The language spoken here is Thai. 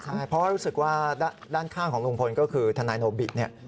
เพราะรู้สึกว่าด้านข้างของลุงพลก็คือทนายโนบิ